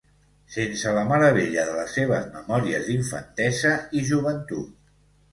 Sense la meravella de les seves memòries d’infantesa i joventut.